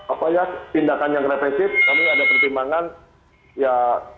apa ya tindakan yang represif kami ada pertimbangan ya